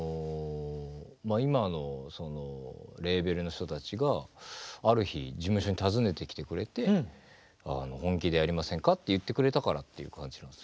今のそのレーベルの人たちがある日事務所に訪ねてきてくれて「本気でやりませんか？」って言ってくれたからっていう感じです。